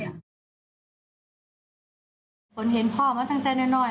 ไม่ต่างจากคุณฮายอภพนครสวังอันโอ้โหคนนี้หนัก